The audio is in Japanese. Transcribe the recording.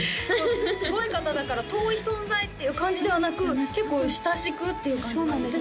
すごい方だから遠い存在っていう感じではなく結構親しくっていう感じなんですね